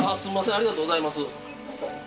ありがとうございます。